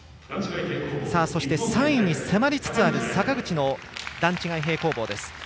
そして３位に迫りつつある坂口の段違い平行棒です。